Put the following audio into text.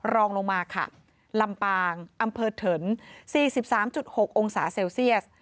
รองลงมาค่ะลำปางอำเภอเถิน๔๓๖องศาเซลเซียส